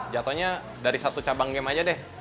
jatuhnya dari satu cabang game aja deh